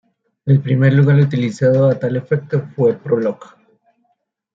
El primer lenguaje utilizado a tal efecto fue Prolog.